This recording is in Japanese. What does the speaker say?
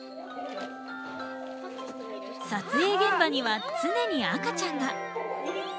撮影現場には常に赤ちゃんが。